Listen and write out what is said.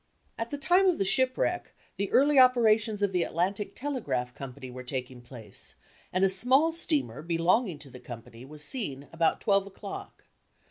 At the time of the shipwreck the early operations of the Atlantic Telegraph Com pany were taking place, and a small steamer belonging to the company was seen about twelve o'clock.